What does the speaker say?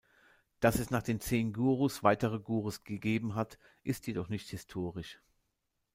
Dass es nach den Zehn Gurus weitere Gurus gegeben hat, ist jedoch nicht historisch.